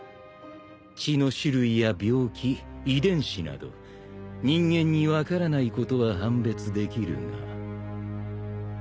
血の種類や病気遺伝子など人間に分からないことは判別できるが。